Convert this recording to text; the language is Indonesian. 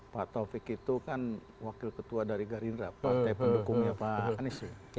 pak taufik itu kan wakil ketua dari garindra pak tepan dukungnya pak anies